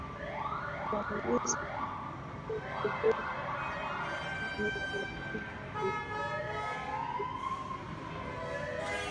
wanarisk ya juu kidogo ya saratani ya matiti kuliko wanawake ambao wamezaa